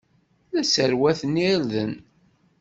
La tesserwateḍ irden.